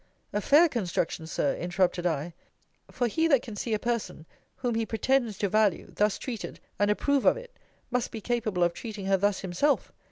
A fair construction, Sir, interrupted I: for he that can see a person, whom he pretends to value, thus treated, and approve of it, must be capable of treating her thus himself.